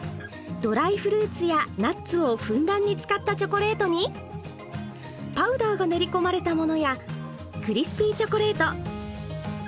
ドライフルーツやナッツをふんだんに使ったチョコレートにパウダーが練りこまれたものやクリスピーチョコレート。